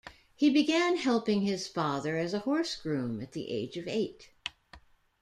He began helping his father as a horse groom at the age of eight.